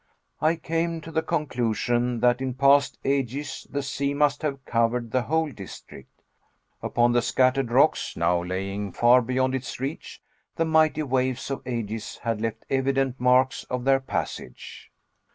I came to the conclusion that in past ages the sea must have covered the whole district. Upon the scattered rocks, now lying far beyond its reach, the mighty waves of ages had left evident marks of their passage.